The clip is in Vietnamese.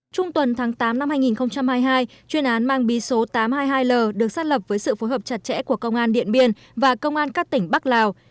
trung tuần tháng tám năm hai nghìn hai mươi hai chuyên án mang bí số tám trăm hai mươi hai l được xác lập với sự phối hợp chặt chẽ của công an điện biên và công an các tỉnh bắc lào